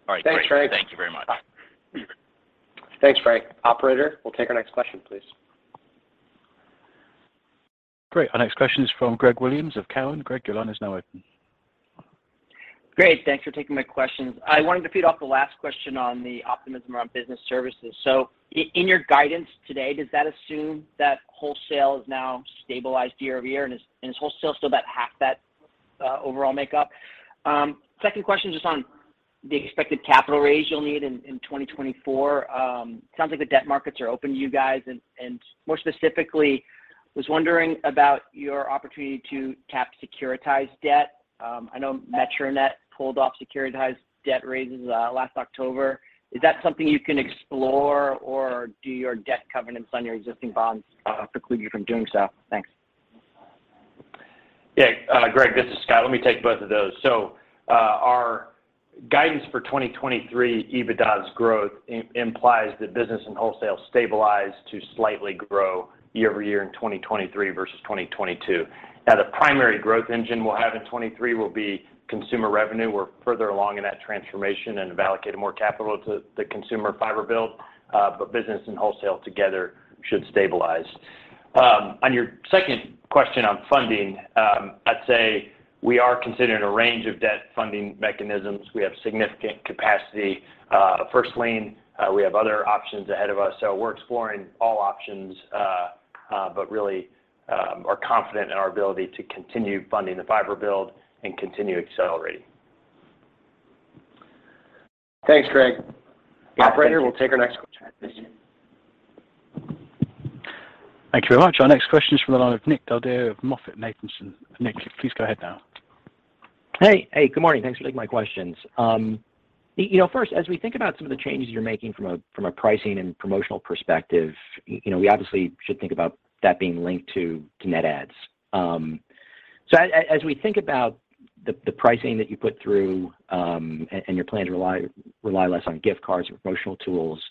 All right. Great. Thanks, Frank. Thank you very much. Thanks, Frank. Operator, we'll take our next question, please. Great. Our next question is from Greg Williams of Cowen. Greg, your line is now open. Great. Thanks for taking my questions. I wanted to feed off the last question on the optimism around business services. In your guidance today, does that assume that wholesale is now stabilized year-over-year and is wholesale still about half that overall makeup? Second question, just on the expected capital raise you'll need in 2024. Sounds like the debt markets are open to you guys. More specifically, was wondering about your opportunity to tap securitized debt. I know MetroNet pulled off securitized debt raises last October. Is that something you can explore, or do your debt covenants on your existing bonds preclude you from doing so? Thanks. Yeah, Greg, this is Scott. Let me take both of those. Our guidance for 2023 EBITDA's growth implies that business and wholesale stabilize to slightly grow year-over-year in 2023 versus 2022. Now, the primary growth engine we'll have in 23 will be consumer revenue. We're further along in that transformation and have allocated more capital to the consumer fiber build, but business and wholesale together should stabilize. On your second question on funding, I'd say we are considering a range of debt funding mechanisms. We have significant capacity, first lien. We have other options ahead of us. We're exploring all options, but really, are confident in our ability to continue funding the fiber build and continue accelerating. Thanks, Greg. Thank you. Operator, we'll take our next question. Thank you very much. Our next question is from the line of Nick Del Deo of MoffettNathanson. Nick, please go ahead now. Hey, good morning. Thanks for taking my questions. You know, first, as we think about some of the changes you're making from a pricing and promotional perspective, you know, we obviously should think about that being linked to net adds. As we think about the pricing that you put through, and you're planning to rely less on gift cards or promotional tools,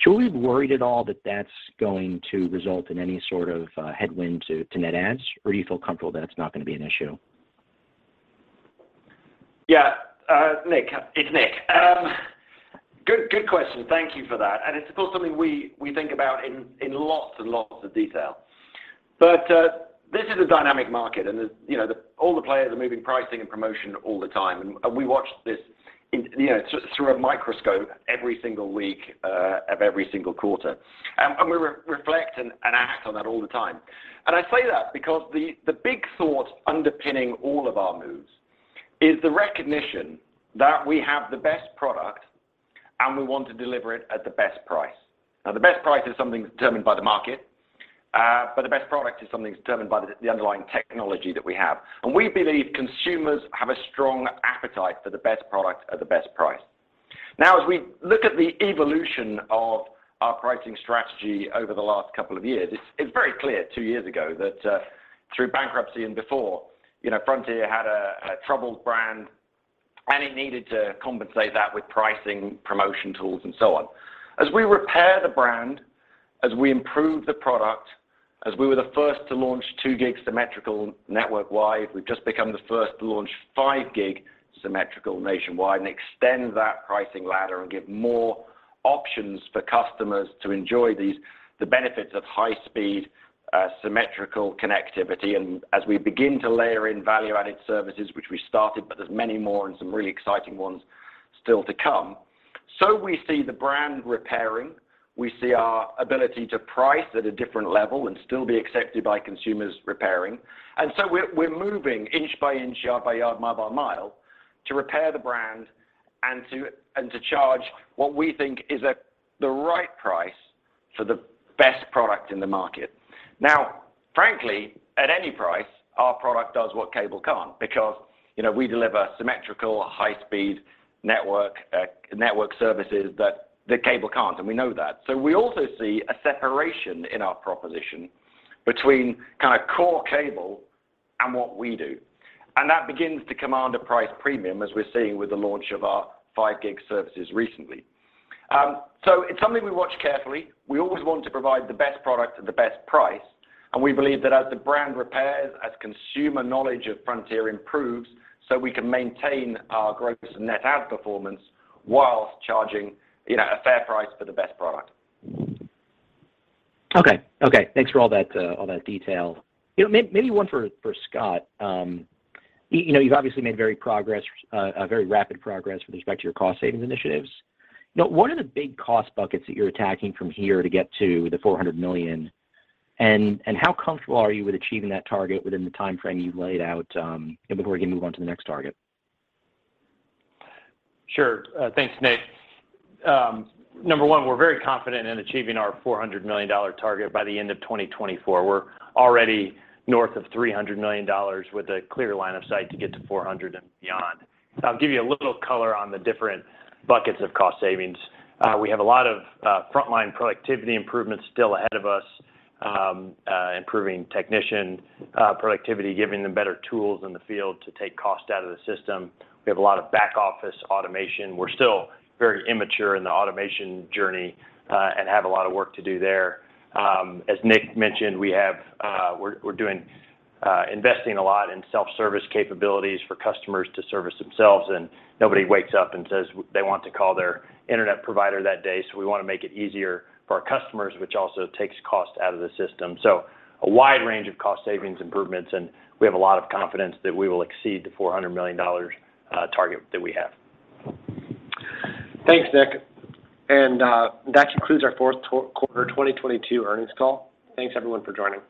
should we be worried at all that that's going to result in any sort of headwind to net adds, or do you feel comfortable that it's not gonna be an issue? Yeah. Nick, it's Nick. Good question. Thank you for that, and it's of course something we think about in lots of detail. This is a dynamic market and you know, all the players are moving pricing and promotion all the time, and we watch this you know, through a microscope every single week of every single quarter. We re-reflect and act on that all the time. I say that because the big thought underpinning all of our moves is the recognition that we have the best product, and we want to deliver it at the best price. Now, the best price is something that's determined by the market, but the best product is something that's determined by the underlying technology that we have. We believe consumers have a strong appetite for the best product at the best price. As we look at the evolution of our pricing strategy over the last couple of years, it's very clear two years ago that through bankruptcy and before, you know, Frontier had a troubled brand, and it needed to compensate that with pricing, promotion tools, and so on. As we repair the brand, as we improve the product, as we were the first to launch two gig symmetrical network-wide, we've just become the first to launch five gig symmetrical nationwide and extend that pricing ladder and give more options for customers to enjoy these, the benefits of high speed, symmetrical connectivity. As we begin to layer in value-added services, which we started, but there's many more and some really exciting ones still to come. We see the brand repairing, we see our ability to price at a different level and still be accepted by consumers repairing. We're moving inch by inch, yard by yard, mile by mile to repair the brand and to charge what we think is the right price for the best product in the market. Frankly, at any price, our product does what cable can't because, you know, we deliver symmetrical high-speed network network services that cable can't, and we know that. We also see a separation in our proposition between kinda core cable and what we do, and that begins to command a price premium, as we're seeing with the launch of our 5 gig services recently. It's something we watch carefully. We always want to provide the best product at the best price, and we believe that as the brand repairs, as consumer knowledge of Frontier improves, so we can maintain our gross and net add performance whilst charging, you know, a fair price for the best product. Okay. Okay. Thanks for all that, all that detail. You know, maybe one for Scott. You know, you've obviously made very progress, a very rapid progress with respect to your cost savings initiatives. You know, what are the big cost buckets that you're attacking from here to get to the $400 million, and how comfortable are you with achieving that target within the timeframe you've laid out, and before we can move on to the next target? Sure. Thanks, Nick. Number one, we're very confident in achieving our $400 million target by the end of 2024. We're already north of $300 million with a clear line of sight to get to $400 and beyond. I'll give you a little color on the different buckets of cost savings. We have a lot of frontline productivity improvements still ahead of us, improving technician productivity, giving them better tools in the field to take cost out of the system. We have a lot of back office automation. We're still very immature in the automation journey and have a lot of work to do there. As Nick mentioned, we're doing, investing a lot in self-service capabilities for customers to service themselves. Nobody wakes up and says they want to call their internet provider that day, so we wanna make it easier for our customers, which also takes cost out of the system. A wide range of cost savings improvements, we have a lot of confidence that we will exceed the $400 million target that we have. Thanks, Nick. That concludes our Q4 2022 earnings call. Thanks everyone for joining.